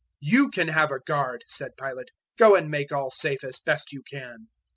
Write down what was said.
027:065 "You can have a guard," said Pilate: "go and make all safe, as best you can."